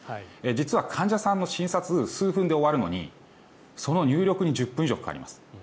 実は、患者さんの診察は数分で終わるのにその入力に１０分以上かかります。